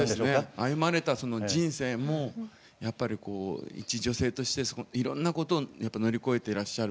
歩まれた人生もやっぱり、いち女性としていろんなことを乗り越えていらっしゃる。